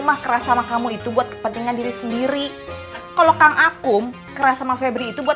mah keras sama kamu itu buat kepentingan diri sendiri kalau kang aku keras sama febri itu buat